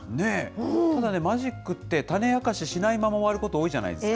ただね、マジックって、種明かししないまま終わること多いじゃないですか。